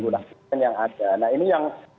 nah ini yang